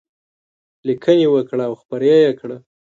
لیکنې وکړه او خپرې یې کړه.